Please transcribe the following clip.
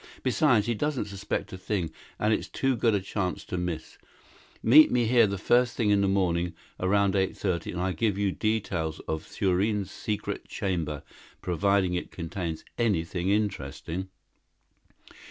Besides, he doesn't suspect a thing and it's too good a chance to miss. Meet me here the first thing in the morning around eight thirty and I'll give you the details of Thurene's secret chamber, provided it contains anything interesting."